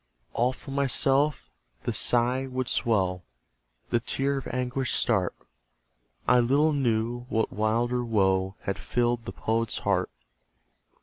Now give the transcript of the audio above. All for myself the sigh would swell, The tear of anguish start; I little knew what wilder woe Had filled the Poet's heart.